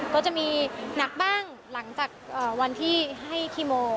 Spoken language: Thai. ก็จะมีหนักบ้างหลังจากวันที่ให้คีโม